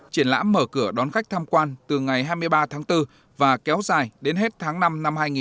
triển lãm mở cửa đón khách tham quan từ ngày hai mươi ba tháng bốn và kéo dài đến hết tháng năm năm hai nghìn hai mươi bốn